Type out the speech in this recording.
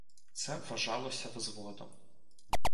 Це вважалося взводом.